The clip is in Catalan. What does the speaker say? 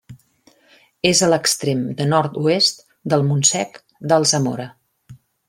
És a l'extrem de nord-oest del Montsec d'Alsamora.